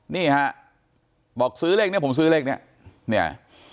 นี่ฮะบอกซื้อเลขนี้ผมซื้อเลขเนี่ย